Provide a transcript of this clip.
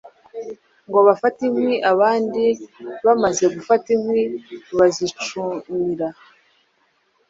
ngo bafate inkwi abandi bamaze gufata inkwi bazicumira